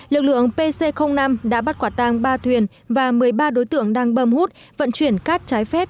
lực lượng pc năm đã bắt quả tang ba thuyền và một mươi ba đối tượng đang bơm hút vận chuyển cát trái phép